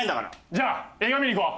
じゃあ映画見に行こう。